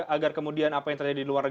agar kemudian apa yang terjadi di luar negeri